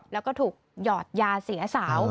แล้วก็ถูกหยอดยาเสียสาว